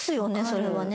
それはね。